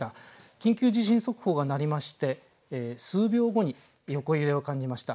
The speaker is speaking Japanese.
緊急地震速報が鳴りまして数秒後に横揺れを感じました。